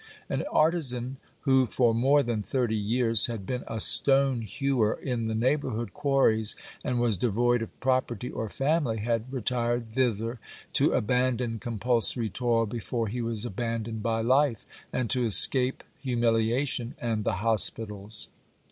An artisan who for more than thirty years had been a stone hewer in the neighbour ing quarries, and was devoid of property or family, had retired thither to abandon compulsory toil before he was abandoned by life, and to escape humiliation and the hospitals.